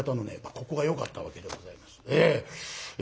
ここがよかったわけでございます。